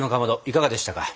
いかがでしたか？